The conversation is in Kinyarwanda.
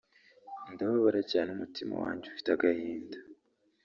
ndababara cyane umutima wange ufite agahinda